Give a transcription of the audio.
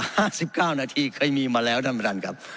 นาฬิกาท่านที่เคยมีมาแล้วครับ